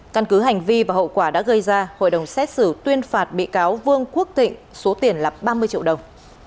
căn cứ hành vi và hậu quả đã gây ra hội đồng xét xử tuyên phạt bị cáo vương quốc thịnh số tiền là ba mươi triệu đồng